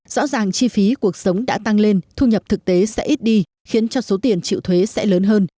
rõ ràng chi phí cuộc sống đã tăng lên thu nhập thực tế sẽ ít đi khiến cho số tiền chịu thuế sẽ lớn hơn